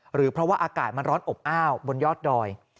หรือเพราะว่าอากาศมันร้อนอบอ้าวบนยอดดอย